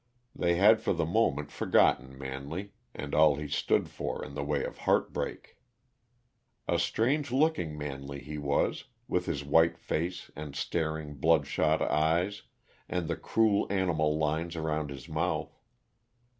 They had for the moment forgotten Manley, and all he stood for in the way of heartbreak. A strange looking Manley he was, with his white face and staring, bloodshot eyes, and the cruel, animal lines around his mouth.